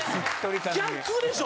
逆でしょ！